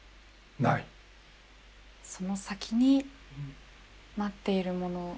その先に待っているもの。